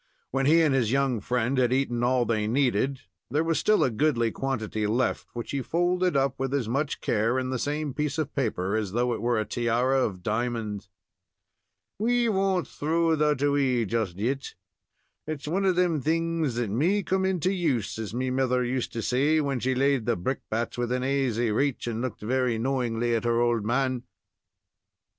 When he and his young friend had eaten all they needed, there was still a goodly quantity left, which he folded up with as much care in the same piece of paper as though it were a tiara of diamonds. "We won't throw that away just yet. It's one of them things that may come into use, as me mither used to say when she laid the brickbats within aisy raich, and looked very knowingly at her old man."